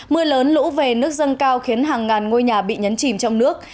mưa lớn lũ về nước dâng cao khiến hàng ngàn ngôi nhà bị nhấn chìm trong nước